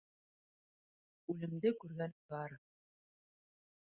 — Үлемде күргәнем бар...